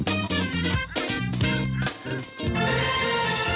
โปรดติดตามตอนต่อไป